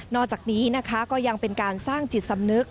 อกจากนี้นะคะก็ยังเป็นการสร้างจิตสำนึก